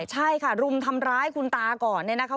ใช่ค่ะรุมทำร้ายคุณตาก่อนเนี่ยนะคะ